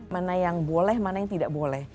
mana yang boleh mana yang tidak boleh